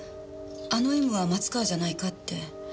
あの「Ｍ」は松川じゃないかって。